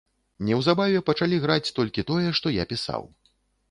Неўзабаве пачалі граць толькі тое, што я пісаў.